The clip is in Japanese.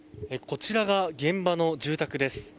こちらが現場の住宅です。